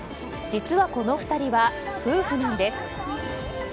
実はこの２人は夫婦なんです。